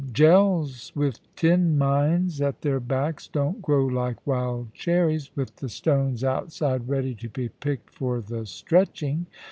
Cells with tin mines at their backs don't grow like wild cherries, with the stones outside ready to be picked for the stretching.'